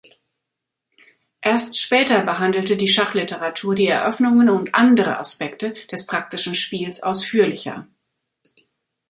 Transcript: Erst später behandelte die Schachliteratur die Eröffnungen und andere Aspekte des praktischen Spiels ausführlicher.